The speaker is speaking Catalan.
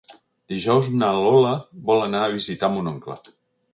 Dijous na Lola vol anar a visitar mon oncle.